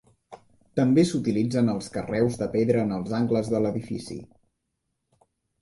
També s'utilitzen els carreus de pedra en els angles de l'edifici.